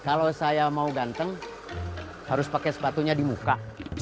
kalau saya mau ganteng harus pakai sepatunya di muka